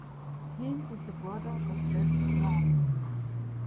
He is the brother of Jeff Larmer.